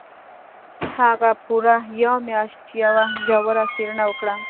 هغه پوره یوه میاشت یوه ژوره څېړنه وکړه